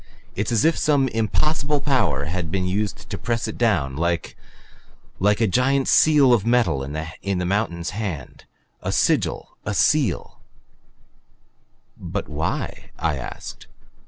It's as if some impossible power had been used to press it down. Like like a giant seal of metal in a mountain's hand. A sigil a seal " "But why?" I asked.